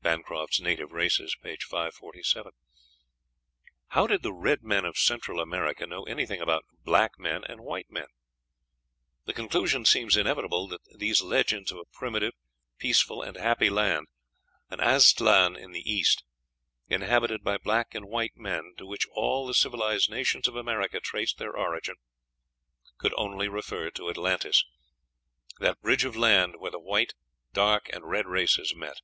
(Bancroft's "Native Races," p. 547.) How did the red men of Central America know anything about "black men and white men?" The conclusion seems inevitable that these legends of a primitive, peaceful, and happy land, an Aztlan in the East, inhabited by black and white men, to which all the civilized nations of America traced their origin, could only refer to Atlantis that bridge of land where the white, dark, and red races met.